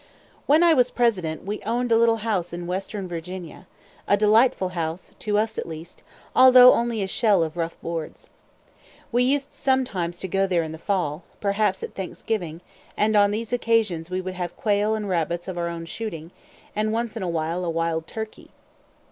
When I was President, we owned a little house in western Virginia; a delightful house, to us at least, although only a shell of rough boards. We used sometimes to go there in the fall, perhaps at Thanksgiving, and on these occasions we would have quail and rabbits of our own shooting, and once in a while a wild turkey.